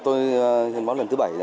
tôi hiến máu lần thứ bảy rồi